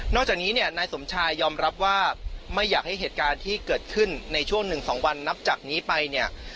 จากนี้เนี่ยนายสมชายยอมรับว่าไม่อยากให้เหตุการณ์ที่เกิดขึ้นในช่วง๑๒วันนับจากนี้ไปเนี่ย